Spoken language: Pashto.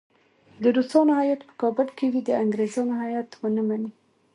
د روسانو هیات په کابل کې وي د انګریزانو هیات ونه مني.